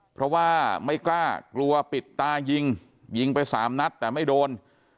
เพราะว่าไม่กล้ากลัวปิดตายิงยิงไปสามนัดแต่ไม่โดน